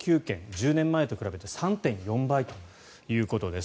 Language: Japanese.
１０年前と比べて３．４倍ということです。